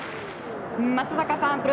松坂さん。